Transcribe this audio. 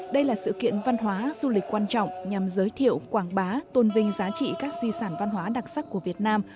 đây là sự kiện văn hóa du lịch quan trọng nhằm giới thiệu quảng bá tôn vinh giá trị các di sản văn hóa đặc sắc của việt nam